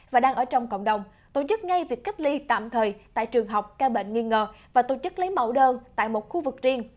và đang ở trong cộng đồng tổ chức ngay việc cách ly tạm thời tại trường học ca bệnh nghi ngờ và tổ chức lấy mẫu đơn tại một khu vực riêng